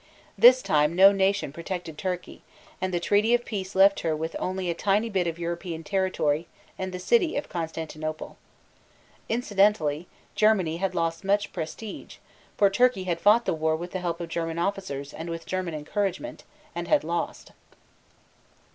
This time no nation protected Turkey, and the treaty of peace left her with only a tiny bit of European territory and the city of Constantinople. Incidentally, Germany had lost much prestige, for Turkey had fought the war with the help of German officers and with German encouragement, and had lost.